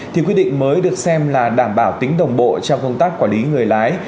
thì quy định mới được xem là đảm bảo tính đồng bộ trong công tác quản lý người lái